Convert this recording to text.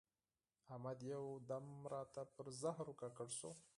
احمد یو دم راته پر زهرو ککړ شو.